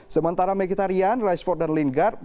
sementara mekitarian riceford dan lingard